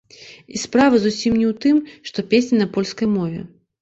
І справа зусім не ў тым, што песня на польскай мове.